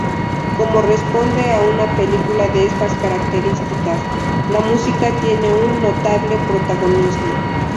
Como corresponde a una película de estas características, la música tiene un notable protagonismo.